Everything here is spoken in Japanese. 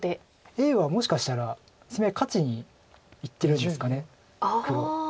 Ａはもしかしたら攻め合い勝ちにいってるんですか黒。